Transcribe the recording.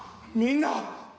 みんな。